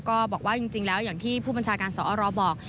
ก็บอกว่าจริงแล้วอย่างที่ผู้บัญชาการสอรบอก